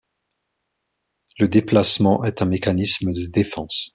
Le déplacement est un mécanisme de défense.